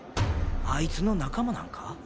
あいつの仲間なんか？